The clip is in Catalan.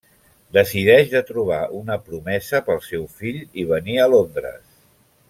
Decideix de trobar una promesa pel seu fill i venir a Londres.